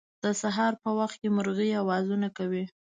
د سهار په وخت مرغۍ اوازونه کوی